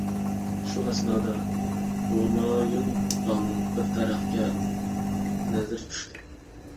شۇ ئەسنادا ھۇمايۇن پالنىڭ بىر دەرەخكە نەزىرى چۈشتى.